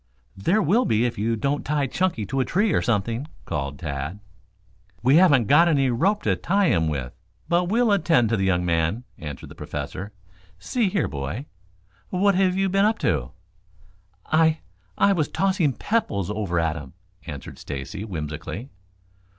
"There will be if you don't tie Chunky to a tree or something," called Tad. "We haven't any rope to tie him with, but we'll attend to the young man," answered the Professor. "See here, boy, what have you been up to?" "I I was tossing pebbles over at him," answered Stacy whimsically.